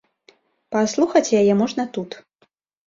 Паслухаць яе можна тут.